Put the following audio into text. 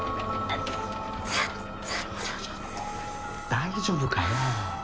大丈夫かよ。